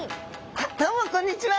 あっどうもこんにちは！